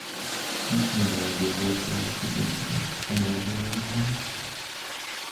Īstenībā jau bija ļoti vēls tik un tā. Sen vajadzēja iet gulēt.